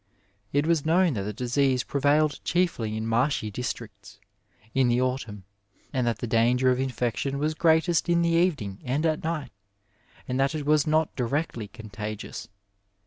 It was known that the disease prevailed chiefly in marshy districts, in the autumn, and that the danger of infection was greatest in the evening and at night, and that it was not directly contagious.